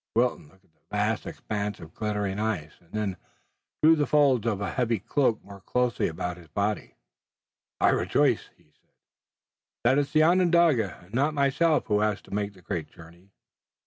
Wilton looked at the vast expanse of glittering ice, and then drew the folds of a heavy cloak more closely about his body. "I rejoice," he said, "that it's the Onondaga and not myself who has to make the great journey.